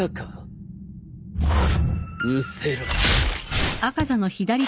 うせろ。